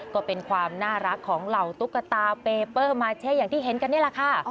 ก็เป็นความน่ารักของเหล่าตุ๊กตาเปเปอร์มาเช่อย่างที่เห็นกันนี่แหละค่ะ